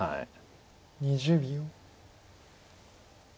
２０秒。